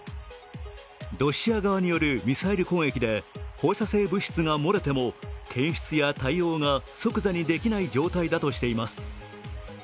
ロシア側によるミサイル攻撃で放射性物質が漏れても検出や対応が即座にできない状態だとしています。